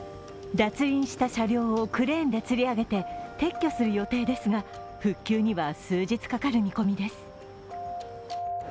脱輪した車両をクレーンでつり上げて撤去する予定ですが、復旧には数日かかる見込みです。